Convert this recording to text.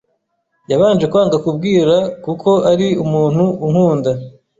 Yabanje kwanga kubwira kuko ari umuntu unkunda